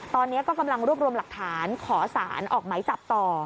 ตอนนี้ก็กำลังรวบรวมหลักฐานขอสารออกไหมจับต่อ